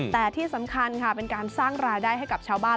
แต่ที่สำคัญค่ะเป็นการสร้างรายได้ให้กับชาวบ้าน